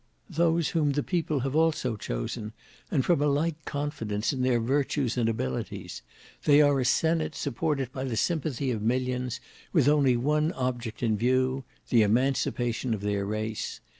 "Those whom the People have also chosen; and from a like confidence in their virtues and abilities. They are a senate supported by the sympathy of millions, with only one object in view—the emancipation of their race.